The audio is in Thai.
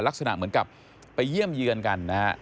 ลักษณะเหมือนกับไปเยี่ยมเยือนกันนะฮะ